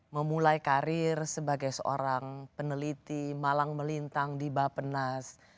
memulai karir sebagai seorang peneliti malang melintang di bapenas